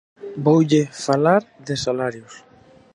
Voulle falar de salarios.